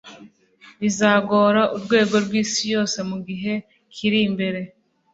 bizagora urwego rw'isi yose mu gihe kiri imbere.